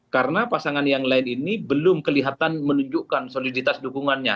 karena pasangan yang lain ini belum kelihatan menunjukkan soliditas dukungannya